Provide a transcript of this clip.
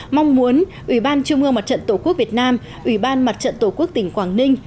mong muốn ủy ban trung ương mặt trận tổ quốc việt nam ủy ban mặt trận tổ quốc tỉnh quảng ninh